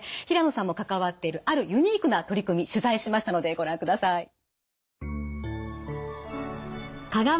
平野さんも関わっているあるユニークな取り組み取材しましたのでご覧ください。